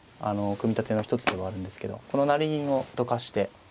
組み立ての一つではあるんですけどこの成銀をどかして。